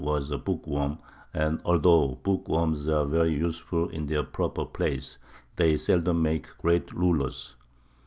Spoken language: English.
was a bookworm, and although bookworms are very useful in their proper place, they seldom make great rulers.